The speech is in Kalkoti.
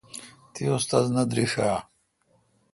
تی استا ذ نہ دریݭ آ؟